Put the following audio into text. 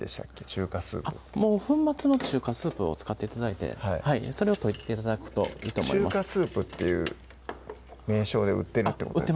中華スープって粉末の中華スープを使って頂いてそれを溶いて頂くといいと中華スープっていう名称で売ってるってことですか？